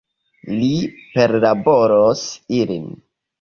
Li perlaboros ilin.